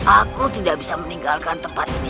aku tidak bisa meninggalkan tempat ini